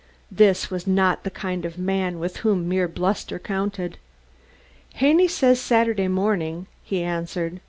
This was not the kind of man with whom mere bluster counted. "Haney says Saturday morning," he answered.